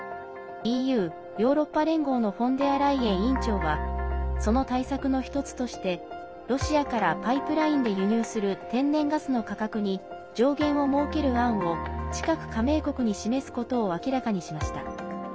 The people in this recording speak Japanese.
ＥＵ＝ヨーロッパ連合のフォンデアライエン委員長はその対策の１つとしてロシアからパイプラインで輸入する天然ガスの価格に上限を設ける案を近く加盟国に示すことを明らかにしました。